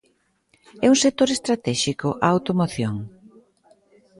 ¿É un sector estratéxico a automoción?